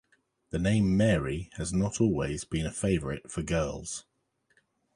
The name Mary has not always been a favourite for girls.